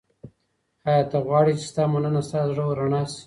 ایا ته غواړې چي ستا مننه ستا د زړه رڼا سي؟